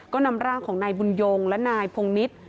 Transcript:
ก็นำร่างของนายบุญยงและนายพงนิษฐ์